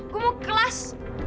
gue mau ke kelas